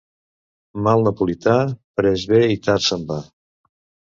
Mal napolità, prest ve i tard se'n va.